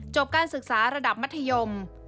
การศึกษาระดับมัธยม